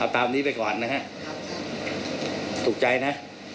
ตามนี้ไปก่อนนะฮะถูกใจนะ